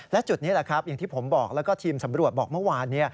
และจุดนี้แหละครับอย่างที่ผมบอกแล้วก็ทีมสำรวจบอกเมื่อวาน